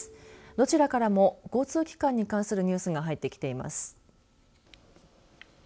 どちらからも交通機関に関するニュースが入ってきています。